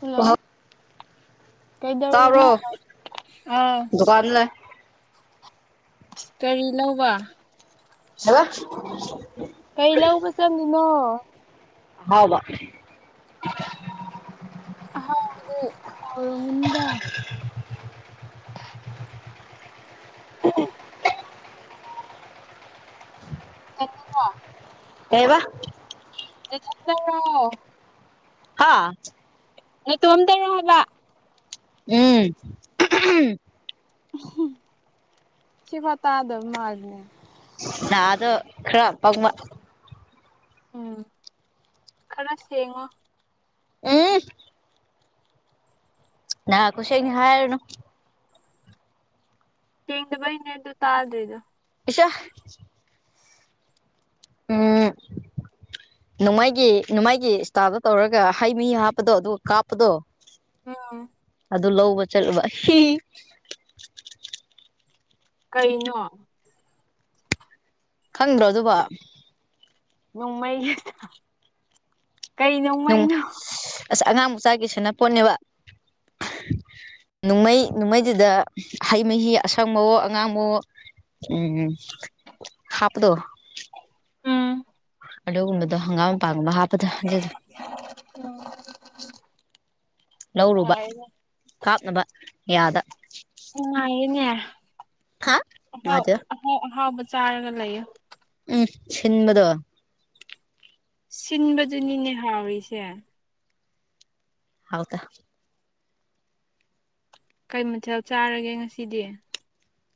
Hello ꯀꯩꯗꯧꯔꯤꯅꯣ ꯇꯥꯕ꯭ꯔꯣ ꯑꯥꯎ ꯗꯨꯀꯥꯟꯗ ꯂꯩ ꯀꯔꯤ ꯂꯧꯕ ꯍꯂꯣ ꯀꯩ ꯂꯧꯕ ꯆꯪꯉꯤꯅꯣ ꯑꯍꯥꯎꯕ ꯑꯍꯥꯎꯕꯗꯤ ꯍꯥꯎꯔꯝꯒꯅꯤꯗ [unintelligible] ꯀ [inaudible] ꯀꯩꯕ ꯅꯊꯟꯗꯔꯣ ꯍꯥꯥ ꯅꯇꯣꯝꯗꯔꯣ ꯍꯥꯏꯕ ꯎꯝ ꯁꯤ ꯐꯥꯎ ꯇꯥꯗꯕ ꯃꯥꯜꯂꯤꯅꯦ ꯗꯥ ꯑꯗꯨ ꯈꯔ ꯄꯪꯕ ꯎꯝ ꯈꯔ ꯁꯦꯡꯉꯣ ꯎꯝ ꯅꯥ ꯈꯨꯁꯦꯡ ꯍꯥꯏꯔꯨꯅ ꯁꯦꯡꯗꯕ ꯩꯅꯦ ꯑꯗꯨ ꯇꯥꯗ꯭ꯔꯤꯗꯨ [unintelligible] ꯎꯝ ꯅꯣꯡꯃꯩꯒꯤ ꯅꯣꯡꯃꯩꯒꯤ ꯏꯁꯇꯥꯞꯇ ꯇꯧꯔꯒ ꯍꯩ ꯃꯤ ꯍꯥꯞꯄꯗꯣ ꯑꯗꯨꯒ ꯀꯥꯞꯄꯗꯣ ꯎꯝ ꯑꯗꯨ ꯂꯧꯕ ꯆꯠꯂꯨꯕ ꯀꯩꯅꯣ ꯈꯪꯗ꯭ꯔꯣ ꯑꯗꯨꯕꯣ ꯅꯣꯡꯃꯩ ꯀꯩ ꯅꯨꯡ ꯅꯣꯡꯃꯩꯅꯣ ꯑꯁ ꯑꯉꯥꯡ ꯃꯆꯥꯒꯤ ꯁꯅꯥꯄꯣꯠꯅꯦꯕ ꯅꯣꯡꯃꯩ ꯅꯣꯡꯃꯩꯗꯨꯗ ꯍꯩ ꯃꯍꯤ ꯑꯁꯪꯕꯋꯣ ꯑꯉꯥꯡꯕꯋꯣ ꯎꯝ ꯍꯥꯞꯄꯗꯣ ꯎꯝ ꯑꯗꯨꯒꯨꯝꯕꯗꯣ ꯍꯪꯒꯥꯝ ꯃꯄꯥꯡꯒꯨꯝꯕ ꯍꯥꯞꯄꯗꯣ ꯑꯗꯨꯗꯣ ꯎꯝ [inaudible] ꯂꯧꯔꯨꯕ ꯀꯥꯞꯅꯕ ꯌꯥꯗ ꯅꯨꯡꯉꯥꯏꯌꯦꯅꯦ ꯍꯥ ꯑꯍꯥꯎ ꯅꯨꯡꯉꯥꯏꯇꯦ ꯑꯍꯥꯎ ꯑꯍꯥꯎꯕ ꯆꯥꯔꯒ ꯂꯩꯌꯣ ꯎꯝ ꯁꯤꯟꯕꯗꯣ ꯁꯤꯟꯕꯗꯨꯅꯤꯅꯦ ꯍꯥꯎꯔꯤꯁꯦ ꯍꯥꯎꯇꯦ ꯀꯩ ꯃꯊꯦꯜ ꯆꯥꯔꯒꯦ ꯉꯁꯤꯗꯤ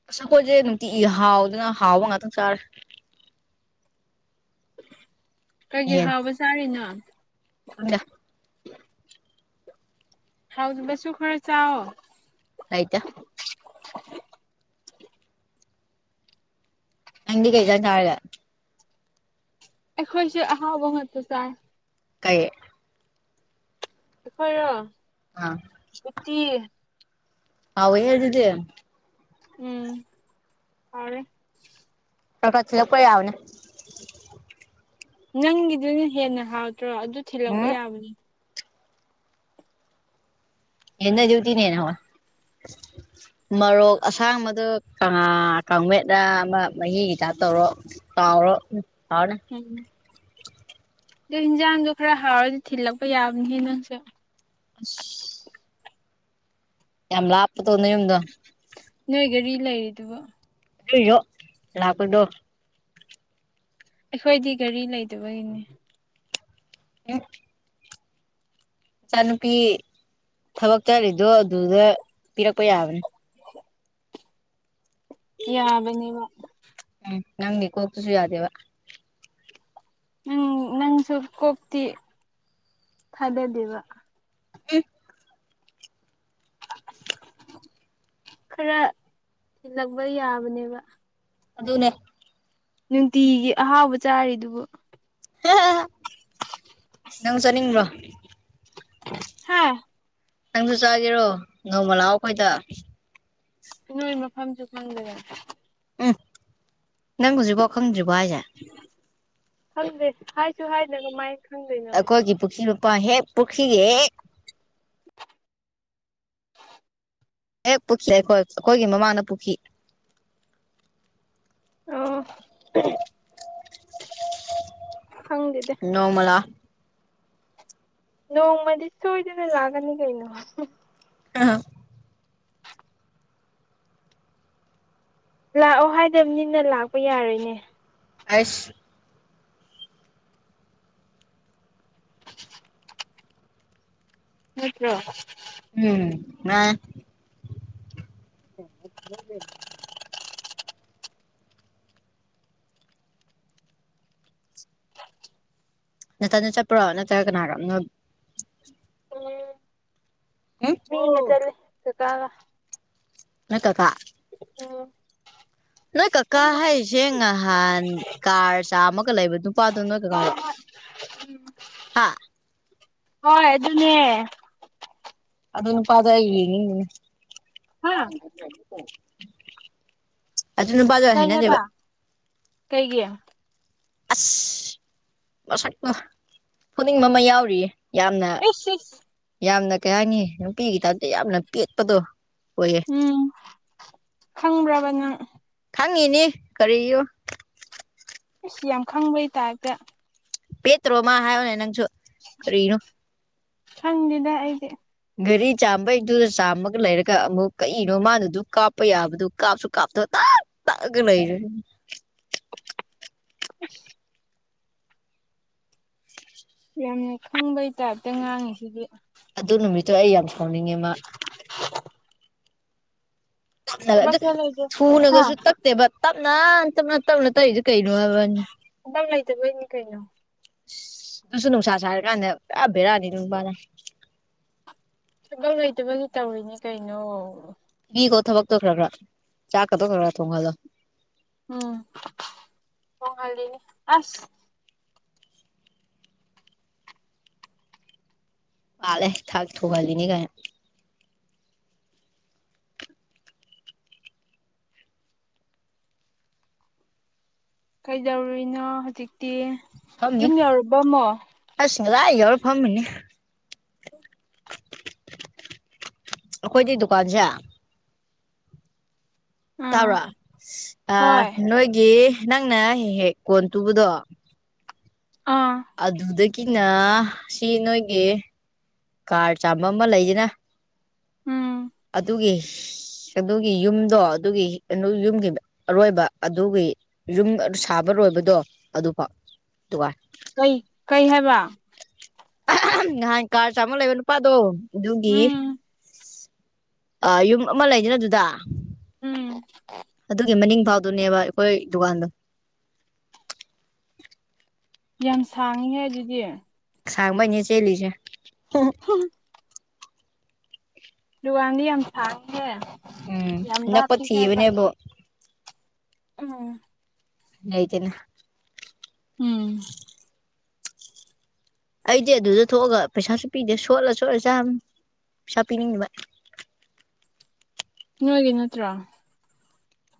ꯑꯁ ꯑꯩꯈꯣꯏꯁꯦ ꯅꯨꯡꯇꯤ ꯍꯥꯎꯗꯅ ꯍꯥꯎꯕ ꯉꯥꯛꯇꯪ ꯆꯥꯔꯦ ꯀꯩꯒꯤ ꯌꯦꯟ ꯍꯥꯎꯕ ꯆꯥꯔꯤꯅꯣ ꯈꯪꯗꯦ ꯍꯥꯎꯗꯕꯁꯨ ꯈꯔ ꯆꯥꯎ ꯂꯩꯇꯦ ꯅꯪꯗꯤ ꯀꯩꯖꯥꯡ ꯆꯥꯔꯒꯦ ꯑꯩꯈꯣꯏꯁꯨ ꯑꯍꯥꯎꯕ ꯉꯠꯇ ꯆꯥꯏ ꯀꯩ ꯑꯩꯈꯣꯏꯔꯣ ꯑꯥ ꯎꯠꯇꯤ ꯍꯥꯎꯋꯦꯍꯦ ꯗꯨꯗꯤ ꯎꯝ ꯍꯥꯎꯔꯦ ꯈꯔ ꯈꯔ ꯊꯤꯜꯂꯛꯄ ꯌꯥꯕꯅꯦ ꯅꯪꯒꯤꯗꯨꯅ ꯍꯦꯟꯅ ꯍꯥꯎꯇ꯭ꯔꯣ ꯑꯗꯨ ꯊꯤꯜꯂꯛꯄ ꯎꯝ ꯌꯥꯕꯅꯦ ꯌꯦꯟꯗꯗꯤ ꯎꯠꯇꯤꯅ ꯍꯦꯟꯅ ꯍꯥꯎꯋꯦ ꯃꯔꯣꯛ ꯑꯁꯥꯡꯕꯗꯨ ꯑ ꯀꯥꯡꯃꯦꯠꯂ ꯑꯃ ꯃꯍꯤꯒꯤ ꯇꯥꯏꯞ ꯇꯧꯔꯣ ꯇꯥꯎꯔꯣ ꯍꯥꯎꯔꯅꯤ ꯎꯝ ꯑꯗꯨ ꯏꯟꯖꯥꯡꯗꯣ ꯈꯔ ꯍꯥꯎꯔꯗꯤ ꯊꯤꯜꯂꯛꯄ ꯌꯥꯕꯅꯤꯍꯦ ꯅꯪꯁꯨ ꯑꯁ [inaudible] ꯌꯥꯝ ꯂꯥꯞꯄꯇꯣ ꯅꯌꯨꯝꯗꯣ ꯅꯣꯏ ꯒꯥꯔꯤ ꯂꯩꯔꯤꯗꯨꯕ ꯑꯗꯨꯏꯖꯨ ꯂꯥꯛꯄꯗꯣ ꯑꯩꯈꯣꯏꯗꯤ ꯒꯔꯤ ꯂꯩꯇꯕꯒꯤꯅꯦ [unintelligible] ꯏꯆꯥꯅꯨꯄꯤ ꯊꯕꯛ ꯆꯔꯤꯗꯣ ꯑꯗꯨꯗ ꯄꯤꯔꯛꯄ ꯌꯥꯕꯅꯤ [unintelligible] ꯌꯥꯕꯅꯤꯕ ꯎꯝ ꯅꯪ ꯒꯤ ꯀꯣꯛꯇꯨꯁꯨ ꯌꯥꯗꯦꯕ ꯎꯝ ꯅꯪꯁꯨ ꯀꯣꯛꯇꯤ ꯊꯥꯗꯗꯦꯕ ꯢꯁ ꯈꯔ ꯊꯤꯜꯂꯛꯄ ꯌꯥꯕꯅꯦꯕ ꯑꯗꯨꯅꯦ ꯅꯨꯡꯇꯤꯒꯤ ꯑꯍꯥꯎꯕ ꯆꯥꯔꯤꯗꯨꯕꯨ ꯅꯪ ꯆꯠꯅꯤꯡꯕ꯭ꯔꯣ ꯍꯥꯥ ꯅꯪꯖꯨ ꯆꯥꯒꯦꯔꯣ ꯅꯣꯡꯃ ꯂꯥꯛꯑꯣ ꯑꯩꯈꯣꯏꯗ ꯅꯣꯏ ꯃꯐꯝꯁꯨ ꯈꯪꯗꯅ ꯎꯝ ꯅꯪ ꯍꯧꯖꯤꯛꯐꯥꯎ ꯈꯪꯗ꯭ꯔꯤꯕꯣ ꯍꯥꯏꯖꯦ ꯈꯪꯗ꯭ꯔꯤ ꯍꯥꯏꯁꯨ ꯍꯥꯏꯗ ꯀꯃꯥꯏꯟ ꯑꯩꯈꯣꯏꯒꯤ ꯄꯨꯈ꯭ꯔꯤ ꯃꯄꯥꯟ ꯍꯦꯛ ꯄꯨꯈ꯭ꯔꯤꯒꯤ ꯍꯦꯛ ꯍꯦꯛ ꯄꯨꯈꯤ ꯑꯩꯈꯣꯏ ꯑꯩꯈꯣꯏꯒꯤ ꯃꯃꯥꯡꯅ ꯄꯨꯈꯤ ꯑꯣ [unintelligible] ꯈꯪꯗꯦꯗ ꯅꯣꯡꯃ ꯂꯥꯛꯑꯣ ꯅꯣꯡꯃꯗꯤ ꯁꯣꯏꯗꯅ ꯂꯥꯛꯀꯅꯤ ꯀꯩꯅꯣ ꯍꯍꯥ ꯂꯥꯛꯑꯣ ꯍꯥꯏꯗꯝꯅꯤꯅ ꯂꯥꯛꯄ ꯌꯥꯔꯣꯏꯍꯦ ꯍꯩꯁ ꯅꯠꯇ꯭ꯔꯣ ꯎꯝ ꯃꯥ [unintelligible] ꯅꯊꯟꯗ ꯆꯠꯄ꯭ꯔꯣ ꯅꯠꯇ꯭ꯔꯒ ꯀꯅꯥꯒ ꯉꯛ ꯎꯝ ꯎꯝ ꯃꯤ [unintelligible] ꯀ ꯀꯥꯒ ꯅꯣꯏ ꯀ ꯀꯥ ꯎꯝ ꯅꯣꯏ ꯀꯀꯥ ꯍꯥꯏꯔꯤꯁꯦ ꯉꯍꯥꯟ ꯀꯥꯔ ꯆꯥꯝꯃꯒ ꯂꯩꯕ ꯅꯨꯄꯥꯗꯣ ꯅꯣꯏ ꯀꯀꯥꯔꯣ ꯎꯝ ꯍꯥ ꯍꯣꯏ ꯑꯗꯨꯅꯦ ꯑꯗꯨ ꯅꯨꯄꯥꯗꯣ ꯑꯩ ꯌꯦꯡꯅꯤꯡꯉꯤꯅꯤ ꯍꯥ ꯑꯗꯨ ꯅꯨꯄꯥꯗꯨ ꯀꯩ ꯑꯕ ꯀꯩꯒꯤ ꯑꯁ ꯃꯁꯛ ꯇꯣ ꯐꯨꯅꯤꯡꯕ ꯑꯃ ꯌꯥꯎꯔꯤꯌꯦ ꯌꯥꯝꯅ ꯏꯁ ꯏꯁ ꯌꯥꯝꯅ ꯀꯩ ꯍꯥꯏꯅꯤ ꯅꯨꯄꯤꯒꯤꯇꯥꯏꯞꯇ ꯌꯥꯝꯅ ꯄꯦꯠꯄꯗꯣ ꯑꯣꯏꯌꯦ ꯎꯝ ꯈꯪꯕ꯭ꯔꯥꯕ ꯅꯪ ꯈꯪꯉꯤꯅꯤ ꯀꯔꯤꯌꫭ ꯏꯁ ꯌꯥꯝ ꯈꯪꯕꯩ ꯇꯥꯥꯏꯞꯇ ꯄꯦꯇ꯭ꯔꯣ ꯃꯥ ꯍꯥꯏꯌꯣꯅꯦ ꯅꯪꯁꯨ ꯀꯔꯤꯔꯣ ꯈꯪꯗꯦꯗ ꯑꯩꯗꯤ ꯒꯔꯤ ꯆꯥꯝꯕꯩꯗꯨꯗ ꯆꯥꯝꯃꯒ ꯂꯩꯔꯒ ꯑꯃꯨꯛ ꯀꯔꯤꯅꯣ ꯃꯥꯅꯗꯨ ꯀꯥꯞꯄ ꯌꯥꯕꯗꯨ ꯀꯥꯞꯁꯨ ꯀꯥꯞꯇꯣ ꯇꯞ ꯇꯛꯑꯒ ꯂꯩꯔꯦ [inaudible] ꯌꯥꯝꯅ ꯈꯪꯕꯩ ꯇꯥꯏꯞꯇ ꯉꯥꯡꯉꯤꯁꯤꯗꯤ ꯑꯗꯨ ꯅꯨꯃꯤꯠꯇꯣ ꯑꯩ ꯌꯥꯝ ꯁꯥꯎꯅꯤꯡꯉꯦ ꯃꯥ [inaudible] ꯇꯞꯅꯒ ꯊꯕꯛ ꯑꯗꯨ ꯆꯠꯂꯣꯏꯗ꯭ꯔꯣ ꯍꯥ ꯊꯨꯅꯒꯁꯨ ꯇꯛꯇꯦꯕ ꯇꯞꯅ ꯇꯞꯅ ꯇꯞꯅ ꯇꯛꯏꯗꯣ ꯀꯩꯅꯣ ꯍꯥꯏꯕꯅꯤ ꯑꯗꯨꯝ ꯂꯩꯇꯕꯩꯅꯤ ꯀꯩꯅꯣ ꯅꯪꯁꯨ ꯅꯨꯡꯁꯥ ꯁꯥꯔ ꯀꯥꯟꯗ ꯄꯨꯔꯥ ꯕꯦꯔꯥꯅꯤ ꯑꯗꯨ ꯅꯨꯄꯥꯅ ꯁꯨꯕꯝ ꯂꯩꯇꯕꯒꯤ ꯇꯧꯔꯤꯅꯤ ꯀꯩꯅꯣ ꯄꯤꯈꯣ ꯊꯕꯛꯇꫭ ꯈꯔ ꯈꯔ ꯆꯥꯛꯀꯗꯣ ꯈꯔ ꯈꯔ ꯊꯣꯡꯍꯜꯂꯣ ꯎꯝ ꯊꫭꯡꯉꯜꯂꯤꯅꯤ ꯑꯁ ꯄꯥꯜꯂꯦ ꯊꯥꯛ ꯊꯨꯍꯜꯂꯤꯅꯤ ꯀꯥꯏꯅ ꯀꯩꯗꯧꯔꯨꯏꯅꯣ ꯍꯧꯖꯤꯛꯇꯤ ꯐꯝꯅꯤ ꯌꯨꯝ ꯌꯧꯔꯕ ꯑꯃꯣ ꯑꯁ ꯉꯁꯥꯏ ꯌꯥꯎꯔ ꯐꯝꯃꯤꯅꯤ ꯑꯩꯈꯣꯏꯗꯤ ꯗꯨꯀꯥꯟꯁꯦ ꯇꯥꯕ꯭ꯔꫭ ꯑꯥ ꯍꯣꯏ ꯅꯣꯏꯒꯤ ꯅꯪꯅ ꯍꯦꯛ ꯍꯦꯛ ꯀꯣꯟ ꯇꯨꯕꯗꯣ ꯑꯥ ꯑꯗꯨꯗꯒꯤꯅ ꯁꯤ ꯅꯣꯏꯒꯤ ꯀꯥꯔ ꯆꯥꯝꯕ ꯑꯃ ꯂꯩꯗꯅ ꯎꯝ ꯑꯗꯨꯒꯤ ꯑꯗꯨꯒꯤ ꯌꯨꯝꯗꯣ ꯑꯗꯨꯒꯤ ꯌꯨꯝꯒꯤ ꯑꯔꯣꯏꯕ ꯑꯗꯨꯒꯤ ꯌꯨꯝ ꯑꯗꯨ ꯁꯥꯕ ꯂꯣꯏꯕꯗꯣ ꯑꯗꯨꯐꯥꯎ ꯊꯨꯒꯥꯏ ꯀꯩ ꯀꯩ ꯍꯥꯏꯕ ꯅꯍꯥꯟ ꯀꯥꯔ ꯆꯥꯝꯃ ꯂꯩꯕ ꯅꯨꯄꯥꯗꯣ ꯑꯗꯨꯒꯤ ꯎꯝ ꯑꯥ ꯌꯨꯝ ꯑꯃ ꯂꯩꯗꯅ ꯑꯗꯨꯗ ꯎꯝ ꯑꯗꯨꯒꯤ ꯃꯅꯤꯡꯐꯥꯎ ꯑꯗꯨꯅꯦꯕ ꯑꯩꯈꯣꯏ ꯗꯨꯀꯥꯟꯗꯣ ꯌꯥꯝ ꯁꯥꯡꯉꯤꯍꯦ ꯑꯗꯨꯗꯤ ꯁꯥꯡꯕꯩꯅꯦ ꯆꯦꯜꯂꯤꯁꯦ [inaudible] ꯗꯨꯀꯥꯟꯗꯤ ꯌꯥꯝ ꯁꯥꯡꯉꯤꯍꯦ ꯎꯝ ꯌꯥꯝ ꯅꯛꯄ ꯂꯥꯞꯄꯤ ꯍꯥꯏꯕ ꯊꯤꯕꯅꯦꯕꯨ ꯎꯝ꯫ ꯂꯩꯇꯦꯅꯦ ꯎꯝ꯫ ꯑꯩꯗꯤ ꯑꯗꯨꯗ ꯊꯣꯛꯑꯒꯥ ꯄꯩꯁꯥꯁꯨ ꯄꯤꯗꯦ ꯁꯣꯠꯂ ꯁꯣꯠꯂ ꯆꯥꯕꯅꯦ ꯄꯩꯁꯥ ꯄꯤꯅꯤꯡꯗꯕ ꯅꯣꯏꯒꯤ ꯅꯠꯇ꯭ꯔꯣ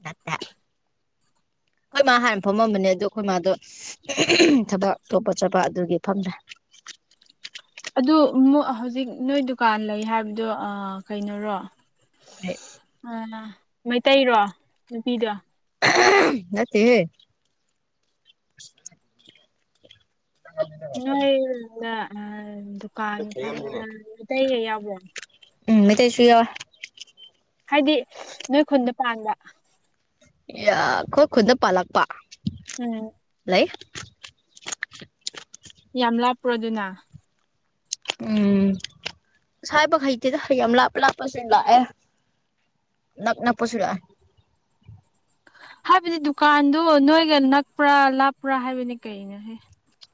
ꯅꯠꯇꯦ ꯑꯈꯣꯏ ꯃꯥ ꯍꯟ ꯐꯝꯃꯝꯕꯅꯦ ꯑꯗꯨ ꯑꯩꯈꯣꯏ ꯃꯥꯗꯣ ꯊꯕꯛ ꯑꯇꯣꯞꯄ ꯆꯠꯄ ꯑꯗꯨꯒꯤ ꯐꯝꯗ꯭ꯔꯦ꯫ ꯑꯗꯨ ꯃꯣ ꯍꯧꯖꯤꯛ ꯅꯣꯏ ꯗꯨꯀꯥꯟ ꯂꯩ ꯍꯥꯏꯕꯗꯣ ꯑꯥ ꯀꯩꯅꯣꯔꯣ ꯑꯩ ꯑꯥ ꯑꯥ ꯃꯩꯇꯩꯔꯣ ꯅꯨꯄꯤꯗꯣ [unintelligible] ꯅꯠꯇꯦ ꯍꯦ ꯅꯣꯏꯗ ꯑꯥ ꯗꯨꯀꯥꯟ ꯐꯝꯕ ꯃꯤꯇꯩꯒ ꯌꯥꯎꯕ꯭ꯔꯣ ꯎꯝ ꯃꯩꯇꯩꯁꯨ ꯌꯥꯎꯋꯦ ꯍꯥꯏꯗꯤ ꯅꯣꯏ ꯈꯨꯟꯗ ꯄꯥꯟꯕ ꯌꯥ ꯈꯣꯏ ꯈꯨꯟꯗ ꯄꯥꯜꯂꯛꯄ ꯎꯝ ꯂꯩ ꯌꯥꯝ ꯂꯥꯞꯄ꯭ꯔꯣ ꯗꯨꯅ ꯎꯝ ꯁ ꯍꯥꯏꯕ ꯍꯩꯇꯦꯗ ꯌꯥꯝ ꯂꯥꯞꯄ ꯂꯥꯞꯄꯁꯤꯡ ꯂꯥꯛꯑꯦ ꯅꯛ ꯅꯛ ꯄꯁꯨ ꯂꯥꯛꯑꯦ ꯍꯥꯏꯕꯗꯤ ꯗꯨꯀꯥꯟꯗꯨ ꯅꯣꯏꯒ ꯅꯛꯄ꯭ꯔꯥ ꯂꯥꯞꯄ꯭ꯔꯥ ꯍꯥꯏꯕꯅꯤ ꯀꯩꯅꯣꯍꯦ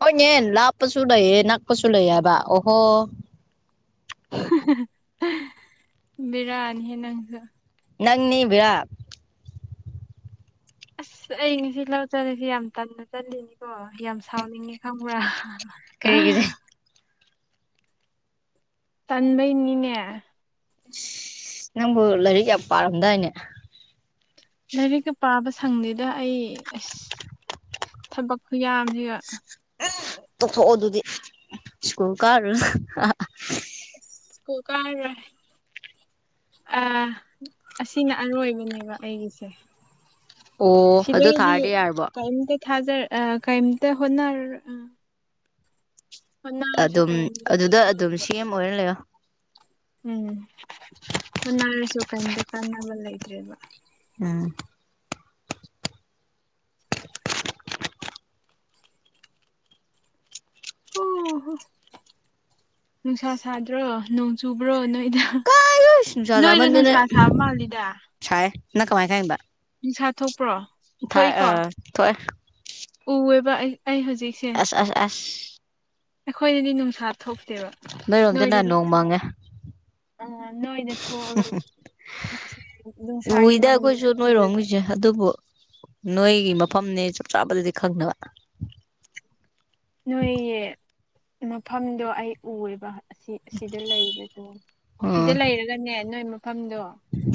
ꯍꯣꯏꯅꯦ ꯂꯥꯞꯄꯁꯨ ꯂꯩꯌꯦ ꯅꯛꯄꯁꯨ ꯂꯩꯌꯦ ꯍꯥꯏꯕ ꯑꯣꯍꯣ ꯕꯤꯔꯅꯤꯍꯦ ꯅꯪꯖꯨ ꯅꯪꯅꯤ ꯕꯦꯌꯥ ꯑꯁ ꯑꯩ ꯉꯁꯤ ꯂꯧ ꯆꯠꯂꯤꯁꯤ ꯌꯥꯝ ꯇꯟꯅ ꯆꯠꯂꯤꯅꯤꯀꯣ ꯌꯥꯝ ꯁꯥꯎꯅꯤꯡꯉꯤ ꯈꯪꯕ꯭ꯔꯥ ꯀꯩꯒꯤ ꯇꯟꯕꯩꯅꯤꯅꯦ ꯏꯁ ꯅꯪꯕꯨ ꯂꯥꯏꯔꯤꯛ ꯌꯥꯝ ꯄꯥꯔꯝꯗꯥꯏꯅꯦ ꯂꯥꯏꯔꯤꯛꯀ ꯄꯥꯕ ꯁꯪꯗꯦꯗ ꯑꯩ ꯑꯁ ꯊꯕꯛ ꯈꯨꯌꯥꯝꯖꯤꯒ ꯑꯦ ꯇꯣꯛꯊꯣꯛꯑꯣ ꯑꯗꯨꯗꯤ ꯁ꯭ꯀꯨꯜ ꯀꯥꯔꯨꯅꯨ ꯁ꯭ꯀꯨꯜ ꯀꯥꯔꯔꯣꯢ ꯑꯥ ꯑꯁꯤꯅ ꯑꯔꯣꯏꯕꯅꯦꯕ ꯑꯩꯒꯤꯁꯦ ꯑꯣ ꯑꯗꯨ ꯁꯤꯗꯩꯗꯤ ꯊꯥꯔꯗꯤ ꯌꯥꯔꯕꯣ ꯀꯩꯝꯇ ꯊꯥꯖꯔ ꯑꯥ ꯀꯩꯝꯇ ꯍꯣꯠꯅꯔꯔꯣ ꯑꯥ ꯑꯗꯨꯝ ꯀꯩꯝꯇ ꯑꯗꯨꯗ ꯑꯗꯨꯝ ꯀꯥꯟꯅꯗꯕ ꯁꯤ ꯑꯦꯝ ꯑꯣꯏꯔ ꯂꯩꯌꯣ ꯎꯝ ꯍꯣꯅꯔꯁꯨ ꯀꯩꯝꯇꯥ ꯀꯥꯟꯅꯕ ꯂꯩꯗ꯭ꯔꯦꯕ ꯎꯝ ꯑꯣ ꯍꯣ ꯅꯨꯡꯁꯥ ꯁꯥꯗ꯭ꯔꯣ ꯅꯣꯡ ꯆꯨꯕ꯭ꯔꯣ ꯅꯣꯏꯗ ꯀꯥꯏ ꯅꯨꯡꯁꯥ ꯅꯣꯏꯗꯣ ꯆꯥꯃꯟꯗꯅ ꯅꯨꯡꯁꯥ ꯁꯥꯕ ꯃꯥꯜꯂꯤꯗ ꯁꯥꯏ ꯅꯪ ꯀꯃꯥꯏꯟ ꯈꯪꯉꯤꯕ ꯅꯤꯡꯁꯥ ꯊꯣꯛꯄ꯭ꯔꯣ ꯊꯥꯏ ꯊꯣꯛꯏꯀꯣ ꯑꯥ ꯊꯣꯛꯑꯦ ꯎꯋꯦꯕ ꯑꯩ ꯑꯩ ꯍꯧꯖꯤꯛꯁꯦ ꯑꯁ ꯑꯁ ꯑꯩꯈꯣꯏꯗꯗꯤ ꯅꯨꯡꯁꯥ ꯊꯣꯛꯇꯦꯕ ꯅꯣꯏꯔꯣꯝꯗꯅ ꯅꯣꯏꯗꯗꯤ ꯅꯣꯡ ꯊꯣꯛ ꯃꯪꯉꯦ ꯑ ꯅꯣꯏꯅ ꯊꯣꯛꯑꯒ ꯅꯨꯡꯁꯥꯒꯤ ꯃꯃꯤꯗꯣ ꯎ ꯔꯣꯝꯒꯤꯖꯦ ꯑꯗꯨꯕꯨ ꯅꯣꯏꯒꯤ ꯃꯐꯝꯅꯦ ꯆꯞ ꯆꯥꯕꯗꯗꯤ ꯈꯪꯗꯕ ꯅꯣꯏꯒꯤ ꯃꯐꯝꯗꯣ ꯑꯩ ꯎꯔꯤꯕ ꯑꯁꯤ ꯑꯁꯤꯗ ꯂꯩꯕꯗꯣ ꯁꯤꯗ ꯎꯝ ꯂꯩꯔꯒꯅꯦ ꯅꯣꯏ ꯃꯐꯝꯗꯣ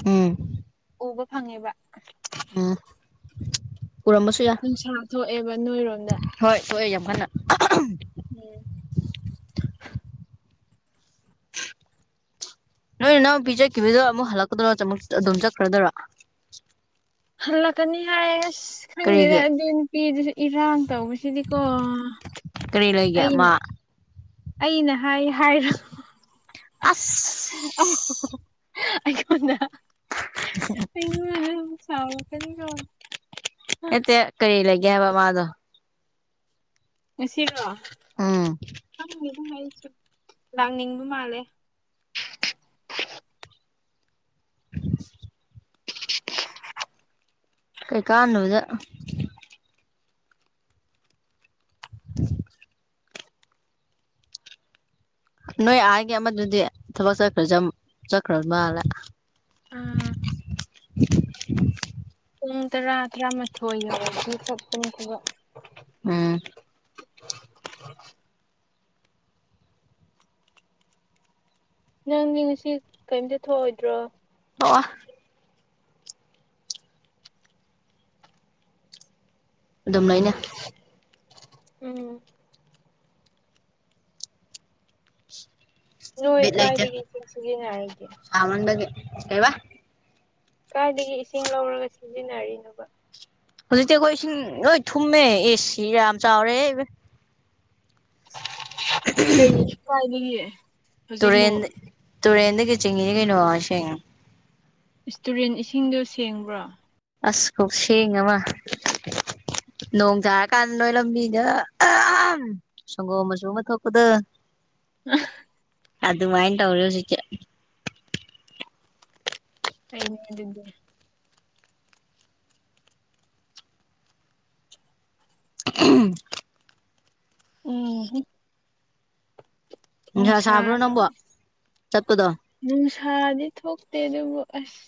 ꯎꯝ ꯎꯕ ꯐꯪꯉꯦꯕ ꯎꯝ ꯎꯔꯝꯕꯁꯨ ꯌꯥ ꯅꯨꯡꯁꯥ ꯊꯣꯛꯑꯦꯕ ꯅꯣꯏꯔꯣꯝꯗ ꯍꯣꯏ ꯊꯣꯛꯑꯦ ꯌꯥꯝ ꯀꯟꯅ ꯎꯝ ꯅꯣꯏ ꯏꯅꯥꯎꯄꯤ ꯆꯠꯈꯤꯕꯗꯣ ꯑꯃꯨꯛ ꯍꯜꯂꯛꯀꯗ꯭ꯔꯣ ꯆꯃꯛ ꯑꯗꯨꯝ ꯆꯠꯈ꯭ꯔꯗꯣꯏꯔꯣ ꯍꯜꯂꯛꯀꯅꯤ ꯍꯥꯏꯌꯦ ꯑꯁ ꯈꯪꯗꯦꯗ ꯀꯔꯤꯒꯤ ꯑꯗꯨ ꯅꯨꯄꯤꯗꯨꯁꯨ ꯏꯔꯥꯡ ꯇꯧꯕꯁꯤꯗꯤꯀꯣ ꯀꯔꯤ ꯂꯩꯒꯦ ꯃꯥ ꯑꯩꯅ ꯑꯩꯅ ꯍꯥꯏ ꯍꯥꯏꯒꯅꯣ ꯑꯁ [unintelligible] ꯑꯣ ꯑꯩꯉꯣꯟꯗ [unintelligible] [unintelligible] ꯑꯩꯉꯣꯟꯗ ꯑꯃꯨꯛ ꯁꯥꯎꯔꯛꯀꯅꯤꯀꯣ ꯀꯩ ꯂꯩꯒꯦ ꯍꯥꯏꯕ ꯃꯥꯗꯣ ꯉꯁꯤꯔꯣ ꯎꯝ ꯈꯪꯗꯦꯗ ꯑꯩꯁꯨ ꯂꯥꯛꯅꯤꯡꯕ ꯃꯥꯜꯂꯦ [inaudible] ꯀꯩ ꯀꯥꯟꯗꯕꯗ [inaudible] ꯅꯣꯏ ꯑꯥꯒꯤ ꯑꯃꯗꯨꯗꯤ ꯊꯕꯛ ꯆꯠꯈ꯭ꯔꯖꯝ ꯆꯠꯈ꯭ꯔ ꯃꯥꯜꯂꯦ ꯑꯥ ꯄꯨꯡ ꯇꯔꯥ ꯇꯔꯥꯃꯥꯊꯣꯏ ꯌꯧꯔꯛꯑꯥꯗꯤ ꯆꯠꯄꯅꯦ ꯊꯕꯛ ꯎꯝ ꯅꯪꯗꯤ ꯉꯁꯤ ꯀꯩꯝꯇ ꯊꯣꯛꯑꯣꯏꯗ꯭ꯔꯣ ꯊꯣꯛꯑꯣ ꯑꯗꯨꯝ ꯂꯩꯅꯤ ꯎꯝ ꯅꯣꯏ ꯕꯤꯠ ꯂꯩꯇꯦ ꯀꯥꯏꯗꯒꯤ ꯏꯁꯤꯡ ꯁꯤꯖꯤꯟꯅꯔꯤꯒꯦ ꯁꯥꯃꯟꯕꯒꯤ ꯀꯩꯕ ꯀꯥꯏꯗꯒꯤ ꯏꯁꯤꯡ ꯂꯧꯔꯒ ꯁꯤꯖꯤꯟꯅꯔꯤꯅꯣꯕ ꯍꯧꯖꯤꯛꯇꯤ ꯑꯩꯈꯣꯏ ꯏꯁꯤꯡ ꯂꯣꯏ ꯊꯨꯝꯃꯦ ꯏꯁ ꯌꯥꯝ ꯆꯥꯎꯔꯦꯍꯦ ꯏꯕꯦ ꯀꯩ ꯈ꯭ꯋꯥꯏꯗꯒꯤ ꯇꯨꯔꯦꯟ ꯇꯨꯔꯦꯟꯗꯒꯤ ꯆꯤꯡꯉꯤꯅꯤ ꯀꯩꯅꯣ ꯏꯁꯤꯡ ꯏꯁ ꯇꯨꯔꯦꯟ ꯏꯁꯤꯡꯗꯣ ꯁꯦꯡꯕ꯭ꯔꯣ ꯑꯁ ꯀꯧꯁꯦꯡ ꯑꯃ ꯅꯣꯡ ꯇꯥꯔꯀꯥꯟ ꯅꯣꯏ ꯂꯝꯕꯤꯗꯣ ꯑꯥ ꯑꯍꯝ ꯍꯝ ꯁꯪꯒꯣꯝ ꯃꯆꯨ ꯑꯃ ꯊꯣꯛꯄꯗꯣ [unintelligible] ꯑꯗꯨꯃꯥꯏ ꯇꯧꯔꯦ ꯍꯧꯖꯤꯛꯇꯤ ꯐꯩꯅꯦ ꯑꯗꯨꯗꯤ ꯎꯝꯍꯨꯝ ꯎꯝ ꯍꯨꯝ ꯅꯨꯡꯁꯥ ꯁꯥꯕ꯭ꯔꯣ ꯅꯪꯕꯣ ꯅꯨꯡꯁꯥꯁꯤꯗꯤ ꯆꯠꯄꯗꯣ ꯅꯨꯡꯁꯥꯗꯤ ꯊꯣꯛꯇꯦ ꯑꯗꯨꯕꯨ ꯑꯁ